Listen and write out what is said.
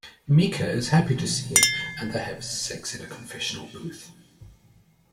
Mieke is happy to see him, and they have sex in a confessional booth.